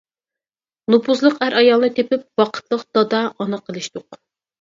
نوپۇزلۇق ئەر-ئايالنى تېپىپ ۋاقىتلىق دادا، ئانا قىلىشتۇق.